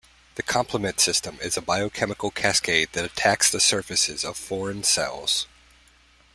The complement system is a biochemical cascade that attacks the surfaces of foreign cells.